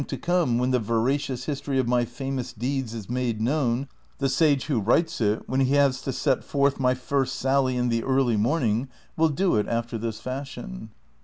to come, when the veracious history of my famous deeds is made known, the sage who writes it, when he has to set forth my first sally in the early morning, will do it after this fashion